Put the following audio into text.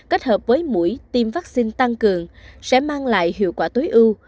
kết hợp với mũi tiêm vaccine tăng cường sẽ mang lại hiệu quả tối ưu